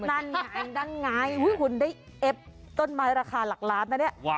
นั่นไงนั่นไงคุณได้เอฟต้นไม้ราคาหลักล้านนะเนี่ย